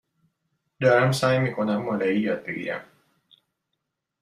دارم سعی می کنم مالایی یاد بگیرم.